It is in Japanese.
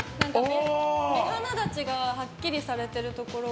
目鼻立ちがはっきりされてるところが。